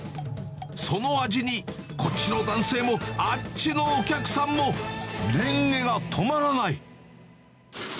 その味に、こっちの男性も、あっちのお客さんも、レンゲが止まらない。